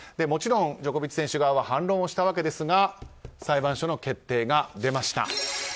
もちろん、ジョコビッチ選手側は反論をしたわけですが裁判所の決定が出ました。